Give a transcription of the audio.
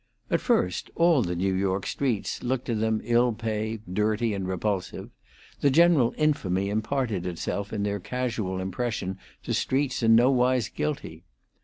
At first all the New York streets looked to them ill paved, dirty, and repulsive; the general infamy imparted itself in their casual impression to streets in no wise guilty.